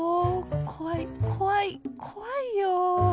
こわいこわいこわいよ。